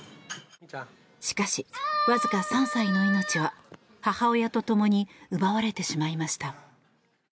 しかし、わずか３歳の命は母親と共に奪われてしまいました。